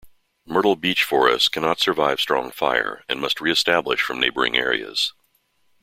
Myrtle beech forests cannot survive strong fire, and must re-establish from neighbouring areas.